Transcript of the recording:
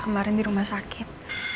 kemarin di rumah sakit